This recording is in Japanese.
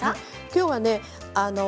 きょうはね